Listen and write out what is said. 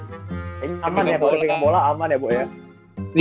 aman ya buat yang megang bola aman ya bu ya